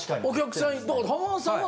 お客さん。